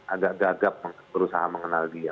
agak gagap berusaha mengenal dia